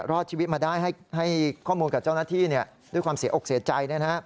รอดชีวิตมาได้ให้ข้อมูลกับเจ้าหน้าที่ด้วยความเสียอกเสียใจ